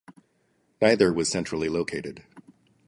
Neither was centrally located.